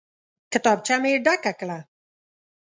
کتابچه مې ډکه کړه.